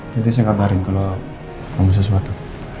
nanti saya kamarin kalau kamu butuh sesuatu